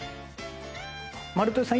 「丸豊」さん